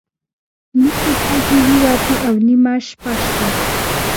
نورې ښځې ووتې او نیمه شپه شوه.